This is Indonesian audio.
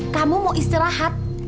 kamu mau istirahat